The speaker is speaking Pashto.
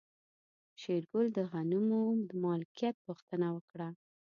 شېرګل د غنمو د مالکيت پوښتنه وکړه.